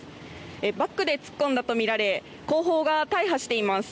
バックで突っ込んだとみられ後方が大破しています。